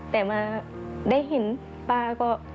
แต่มาได้เห็นป้าก็